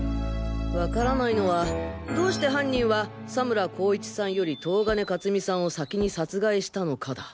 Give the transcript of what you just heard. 分からないのはどうして犯人は佐村功一さんより東金勝美さんを先に殺害したのかだ。